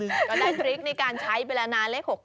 ก็ได้ตริกในการใช้เบลอาณาเลข๖๙๙๖